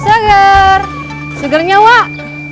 suger segernya wak